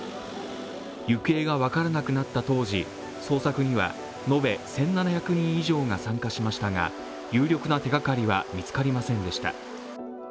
行方が分からなくなった当時捜索には延べ１７００人以上が参加しましたが有力な手がかりは見つかりませんでした。